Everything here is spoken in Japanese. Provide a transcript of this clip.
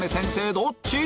どっち？